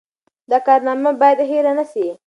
دا کارنامه باید هېره نه سي.